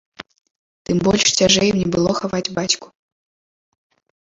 Тым больш цяжэй мне было хаваць бацьку.